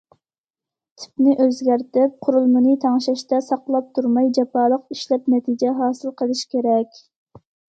تىپنى ئۆزگەرتىپ، قۇرۇلمىنى تەڭشەشتە ساقلاپ تۇرماي، جاپالىق ئىشلەپ نەتىجە ھاسىل قىلىش كېرەك.